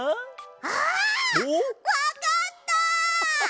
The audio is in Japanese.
あっわかった！